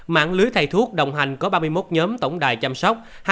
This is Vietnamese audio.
mạng lưới thầy thuốc đồng hành có ba mươi một nhóm tổng đài chăm sóc